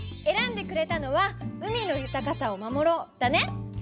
えらんでくれたのは「海の豊かさを守ろう」だね！